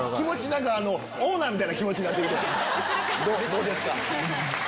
どうですか？